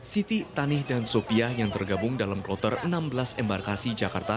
siti tanih dan sopiah yang tergabung dalam kloter enam belas embarkasi jakarta